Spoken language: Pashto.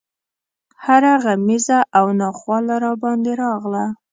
هره غمیزه او ناخواله راباندې راغله.